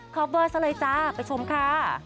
เวอร์ซะเลยจ้าไปชมค่ะ